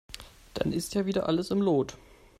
Dann ist ja wieder alles im Lot.